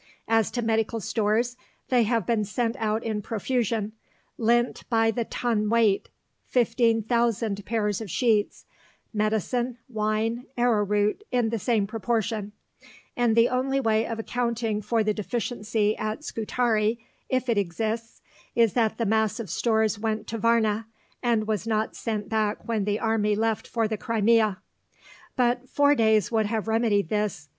As to medical stores, they have been sent out in profusion; lint by the ton weight, 15,000 pairs of sheets, medicine, wine, arrowroot in the same proportion; and the only way of accounting for the deficiency at Scutari, if it exists, is that the mass of stores went to Varna, and was not sent back when the army left for the Crimea; but four days would have remedied this.